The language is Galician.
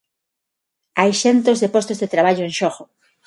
Hai centos de postos de traballo en xogo.